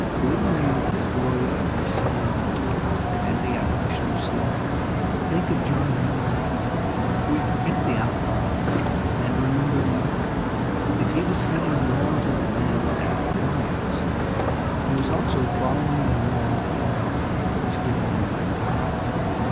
We who know the story of the Civil War and the abolition of slavery think of John Brown as a hero. We forget the outlaw and remember the martyr. If he was setting the laws of men at defiance he was also following the law that he felt was given him by God.